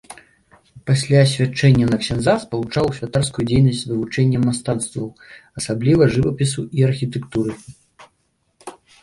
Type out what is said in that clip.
Пасля асвячэнне на ксяндза спалучаў святарскую дзейнасць з вывучэннем мастацтваў, асабліва жывапісу і архітэктуры.